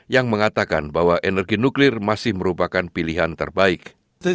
yang mengatakan bahwa energi nuklir masih merupakan pilihan terbaik